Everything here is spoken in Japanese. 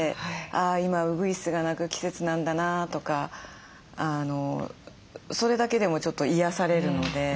「あ今ウグイスが鳴く季節なんだな」とかそれだけでもちょっと癒やされるので。